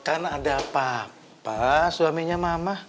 kan ada papa suaminya mama